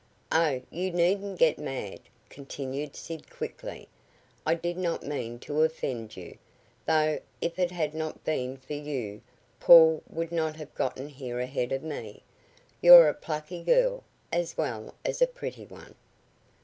"Oh, you needn't get mad," continued Sid quickly. "I did not mean to offend you, though if it had not been for you Paul would not have gotten here ahead of me. You're a plucky girl, as well as a pretty one."